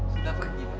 sudah pergi mbak